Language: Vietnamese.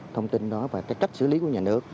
thông tin đó và cái cách xử lý của nhà nước